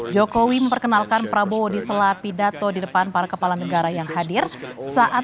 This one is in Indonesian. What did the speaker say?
jokowi memperkenalkan prabowo di sela pidato di depan para kepala negara yang hadir saat